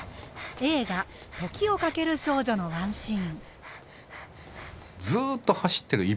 映画「時をかける少女」のワンシーン。